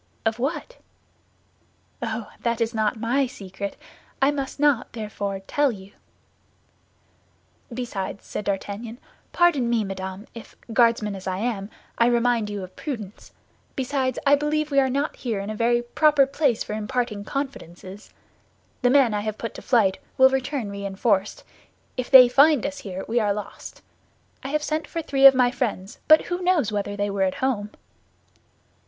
"Of what?" "Oh, that is not my secret; I must not, therefore, tell you." "Besides," said D'Artagnan, "pardon me, madame, if, guardsman as I am, I remind you of prudence—besides, I believe we are not here in a very proper place for imparting confidences. The men I have put to flight will return reinforced; if they find us here, we are lost. I have sent for three of my friends, but who knows whether they were at home?"